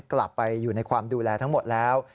กลับไปอยู่ในความดูแลทั้งหมดแล้ว